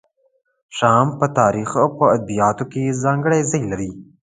شام په تاریخ او ادبیاتو کې ځانګړی ځای لري.